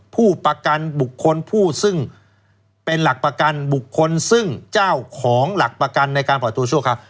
ผู้ประกันบุคคลผู้ซึ่งเป็นหลักประกันบุคคลซึ่งเจ้าของหลักประกันในการปล่อยตัวชั่วคราว